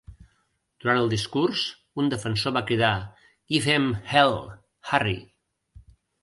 Durant el discurs, un defensor va cridar "Give 'em Hell, Harry!".